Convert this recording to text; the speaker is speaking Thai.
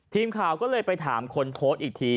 ทีมข่าวก็เลยไปถามคนโพสต์อีกที